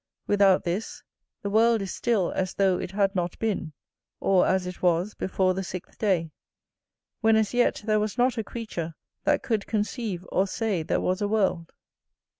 Without this, the world is still as though it had not been, or as it was before the sixth day, when as yet there was not a creature that could conceive or say there was a world.